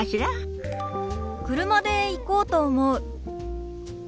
車で行こうと思う。